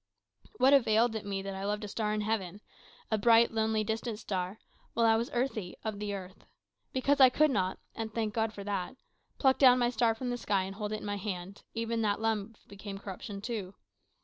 What availed it me that I loved a star in heaven a bright, lonely, distant star while I was earthy, of the earth? Because I could not (and thank God for that!) pluck down my star from the sky and hold it in my hand, even that love became corruption too.